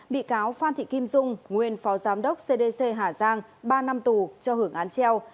bị cáo phan thị kim dung nguyên phó giám đốc cdc hà giang ba năm tù cho hưởng án treo